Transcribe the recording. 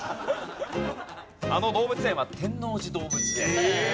あの動物園は天王寺動物園。